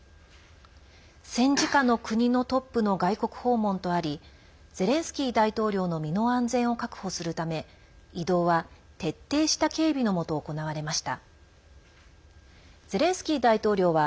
戦時下の国のトップの外国訪問とありゼレンスキー大統領の身の安全を確保するため移動は、徹底した警備のもと行われました。